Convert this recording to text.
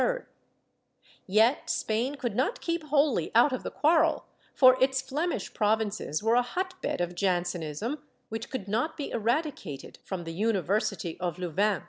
^ Yet Spain could not keep wholly out of the quarrel, for its Flemish provinces were a hot bed of Jansenism which could not be eradicated from the University of Louvain.